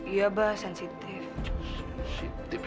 iya bah sensitif